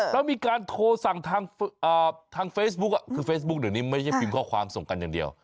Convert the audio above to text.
แล้วมีการโทรสั่งทางเฟซบุ๊กคือเฟซบุ๊กเดี๋ยวนี้ไม่ใช่พิมพ์ข้อความส่งกันอย่างเดียว